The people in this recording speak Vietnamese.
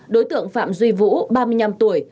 đối tượng phạm duy vũ ba mươi năm tuổi